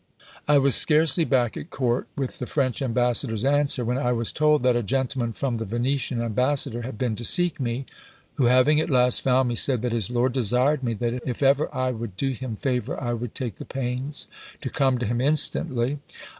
"I was scarcely back at court with the French ambassador's answer, when I was told that a gentleman from the Venetian ambassador had been to seek me, who, having at last found me, said that his lord desired me, that if ever I would do him favour, I would take the pains to come to him instantly.